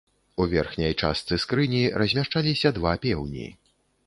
У верхняй частцы скрыні размяшчаліся два пеўні.